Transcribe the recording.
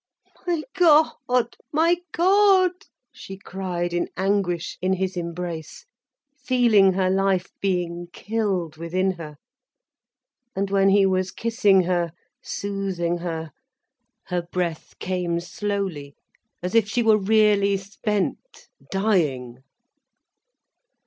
"My God, my God," she cried, in anguish, in his embrace, feeling her life being killed within her. And when he was kissing her, soothing her, her breath came slowly, as if she were really spent, dying.